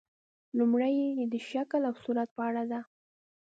لومړۍ یې د شکل او صورت په اړه ده.